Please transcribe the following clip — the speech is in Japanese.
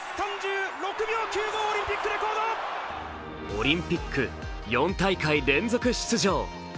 オリンピック４大会連続出場。